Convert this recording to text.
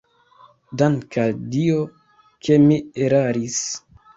Dank' al Dio, ke mi eraris!